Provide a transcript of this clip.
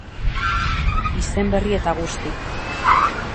Izen berri eta guzti.